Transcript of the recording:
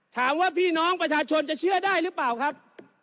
ถามว่าพี่น้องประชาชนจะเชื่อได้หรือเปล่าครับ